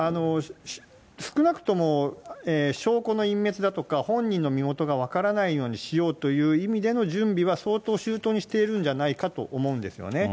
少なくとも、証拠の隠滅だとか、本人の身元が分からないようにしようという意味での準備は相当周到にしているんじゃないかと思うんですよね。